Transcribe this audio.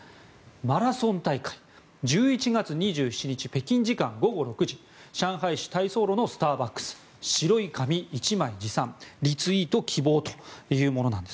マラソン大会、１１月２７日北京時間午後６時上海市太倉路のスターバックス白い紙１枚持参リツイート希望というものです。